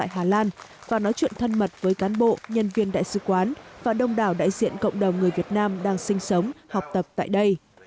hà lan và nói chuyện thân mật với cán bộ nhân viên đại sứ quán và đông đảo đại diện cộng đồng người việt nam đang sinh sống học tập tại đây